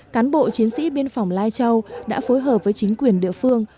cán bộ chiến sĩ biên phòng lai châu đã phối hợp với chính quyền địa phương